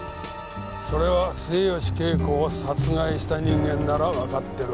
それは末吉恵子を殺害した人間ならわかってるはずだ。